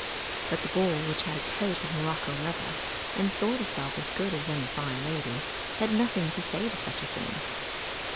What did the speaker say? But the Ball, which had a coat of morocco leather, and thought herself as good as any fine lady, had nothing to say to such a thing.